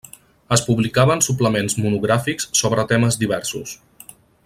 Es publicaven suplements monogràfics sobre temes diversos.